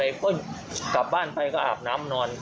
ไม่ได้บอกอะไรเขากลับบ้านไปก็อาบน้ำนอน